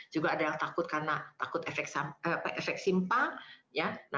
juga ada yang takut karena takut efek simpang